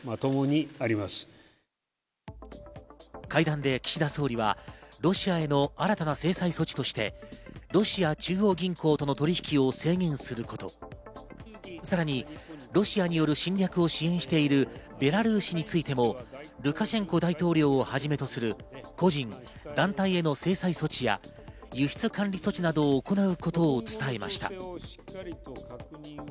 会談で岸田総理はロシアへの新たな制裁措置としてロシア中央銀行との取引を制限すること、さらにロシアによる侵略を支援しているベラルーシについても、ルカシェンコ大統領をはじめとする個人、団体への制裁措置や輸出管理措置などを行うことを伝えました。